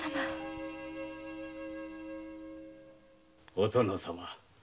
お殿様